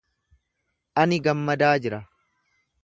Ani gammadaa jira.